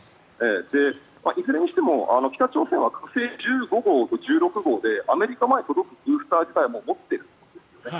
いずれにしても北朝鮮は火星１５号と１６号とアメリカまで届くブースター自体も持っているんですね。